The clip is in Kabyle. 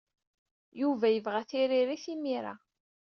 Yuba yebɣa tiririyin imir-a.